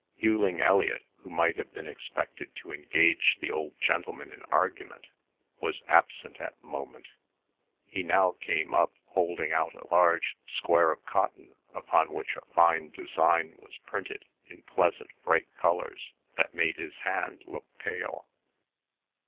Hughling Elliot, who might have been expected to engage the old gentleman in argument, was absent at the moment. He now came up holding out a large square of cotton upon which a fine design was printed in pleasant bright colours that made his hand look pale.